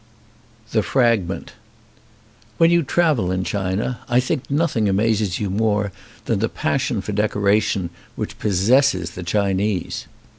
205 LI THE FRAGMENT WHEN you travel in China I think nothing amazes you more than the passion for decoration which pos sesses the Chinese.